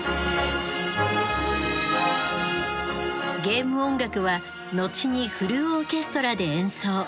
ゲーム音楽は後にフルオーケストラで演奏。